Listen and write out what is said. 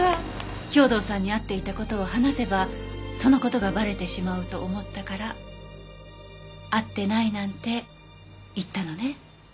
兵藤さんに会っていた事を話せばその事がバレてしまうと思ったから会ってないなんて言ったのね？